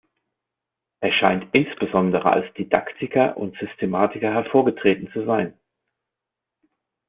Er scheint insbesondere als Didaktiker und Systematiker hervorgetreten zu sein.